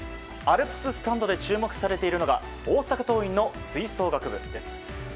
アルプススタンドで注目されているのが大阪桐蔭の吹奏楽部です。